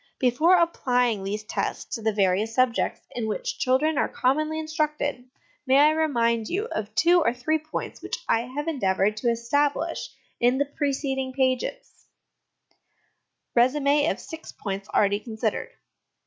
Before applying these tests to the various subjects in which children are commonly instructed, may 1 remind you of two or three points which I have endeavoured to establish in the preceding pages : Resume of Six Points already considered.